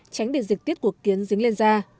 tránh để dịch tiết của kiến dính lên da